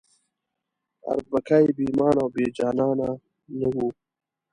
اربکی بې ایمانه او بې جانانه نه وو.